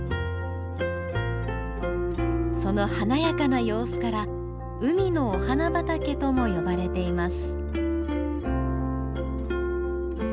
その華やかな様子から「海のお花畑」とも呼ばれています。